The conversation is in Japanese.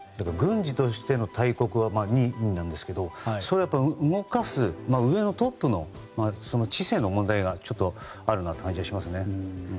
軍事としての大国は２位なんですけどそれは動かす上のトップの知性の問題がちょっとあるなという感じがしますね。